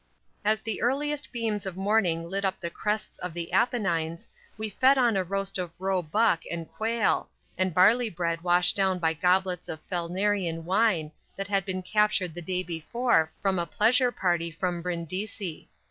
As the earliest beams of morning lit up the crests of the Apennines we fed on a roast of roe buck and quail, and barley bread washed down by goblets of Falernian wine that had been captured the day before from a pleasure party from Brindisi.